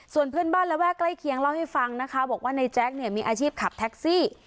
ส่วนเพื่อนบ้านระแวกใกล้เคียงเล่าให้ฟังนะคะบอกว่าในแจ๊คเนี่ยมีอาชีพขับแท็กซี่